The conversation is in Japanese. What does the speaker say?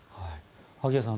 萩谷さん